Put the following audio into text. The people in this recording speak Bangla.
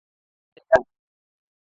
ফোন কেটে দাও।